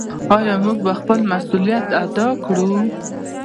آیا موږ به خپل مسوولیت ادا کړو؟